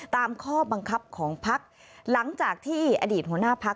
ตามข้อบังคับของพักหลังจากที่อดีตหัวหน้าพัก